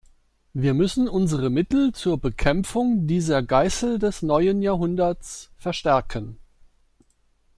Wir müssen unsere Mittel zur Bekämpfung dieser Geißel des neuen Jahrhunderts verstärken.